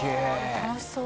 楽しそう。